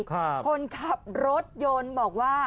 คนขับรถยนต์บอกว่า